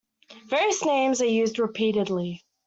Various names are used repeatedly.